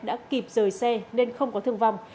đã kịp rời xe nên không có thương vong